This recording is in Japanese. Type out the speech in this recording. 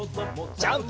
ジャンプ！